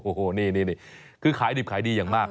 โอ้โหนี่คือขายดิบขายดีอย่างมาก